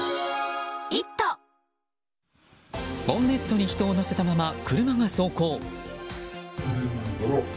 ボンネットに人を乗せたまま車が走行。